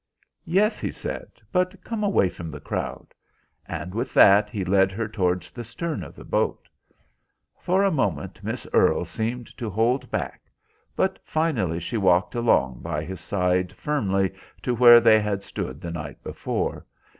"Yes," he said, "but come away from the crowd," and with that he led her towards the stern of the boat. For a moment Miss Earle seemed to hold back, but finally she walked along by his side firmly to where they had stood the night before.